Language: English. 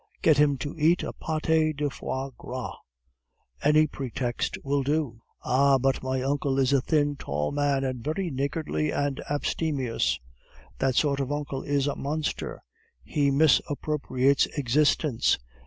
Get him to eat a pate de foie gras, any pretext will do." "Ah, but my uncle is a thin, tall man, and very niggardly and abstemious." "That sort of uncle is a monster; he misappropriates existence."